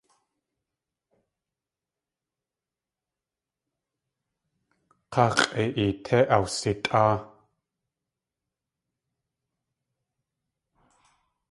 K̲aa x̲ʼa.eetí awsitʼáa.